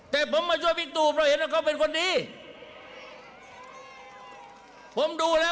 แต่ผมมาช่วยพี่ตูเพราะเห็นว่าเขาเป็นคนดีผมดูแล้ว